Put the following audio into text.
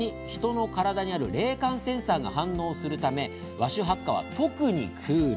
そのメントールに、人の体にある冷感センサーが反応するため和種ハッカは、特にクール。